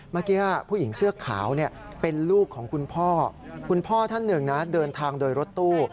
เมื่อกี้ผู้หญิงเสื้อขาวเป็นลูกของคุณพ่อคุณพ่อท่านหนึ่งนะเดินทางโดยรถตู้